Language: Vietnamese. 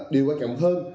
điều quan trọng hơn